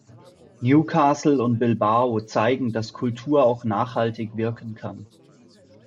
Newcastle und Bilbao zeigen, dass Kultur auch nachhaltig wirken kann.